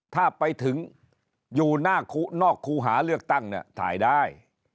ถ้าไปถึงอยู่หน้านอกครูหาเลือกตั้งเนี่ยถ่ายได้